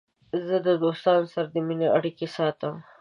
زه د دوستانو سره د مینې اړیکې ساتم.